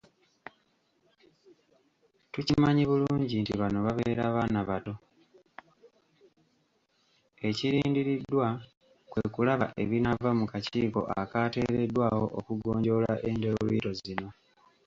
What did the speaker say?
Ekirindiriddwa kwe kulaba ebinaava mu kakiiko akateereddwawo okugonjoola endooliito zino.